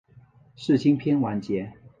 世青篇完结。